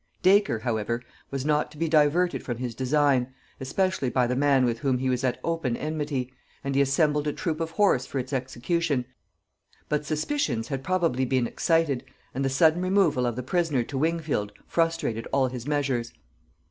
Dacre, however, was not to be diverted from his design, especially by the man with whom he was at open enmity, and he assembled a troop of horse for its execution; but suspicions had probably been excited, and the sudden removal of the prisoner to Wingfield frustrated all his measures.